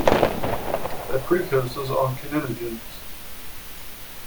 Their precursors are kininogens.